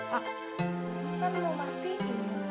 kan emang pasti ini